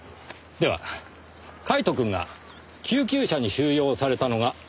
ではカイトくんが救急車に収容されたのがここ。